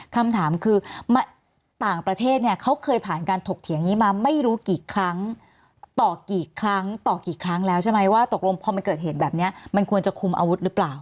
คำถามคือต่างประเทศเนี่ยเขาเคยผ่านการถกเถียงนี้มาไม่รู้กี่ครั้งต่อกี่ครั้งต่อกี่ครั้งแล้วใช่ไหมว่าตกลงพอมันเกิดเหตุแบบนี้มันควรจะคุมอาวุธหรือเปล่า